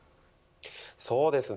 そうですね